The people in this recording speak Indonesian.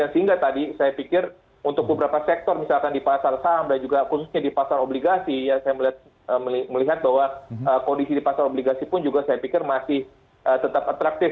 sehingga tadi saya pikir untuk beberapa sektor misalkan di pasar saham dan juga khususnya di pasar obligasi ya saya melihat bahwa kondisi di pasar obligasi pun juga saya pikir masih tetap atraktif ya